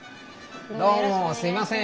どうもすみません。